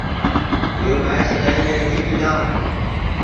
یو ٻائیر سدائیں میلکھی کِدؔا ہے